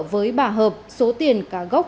với bà hợp số tiền cả gốc